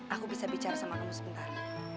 aku bisa bicara sama kamu sebentar